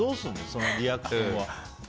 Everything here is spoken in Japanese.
そのリアクションは。